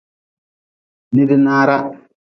Nidnaara.